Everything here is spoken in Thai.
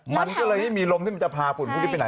มันก็เลยไม่มีลมที่มันจะพาฝุ่นพวกนี้ไปไหน